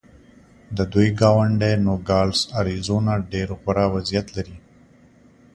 د دوی ګاونډی نوګالس اریزونا ډېر غوره وضعیت لري.